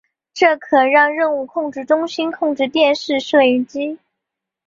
这可让任务控制中心操控电视摄像机。